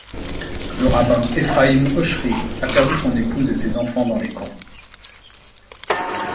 Le rabbin Ephraim Oshry a perdu son épouse et ses enfants dans les camps.